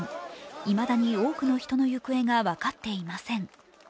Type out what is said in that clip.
いまだに多くの人の行方が分かっていません。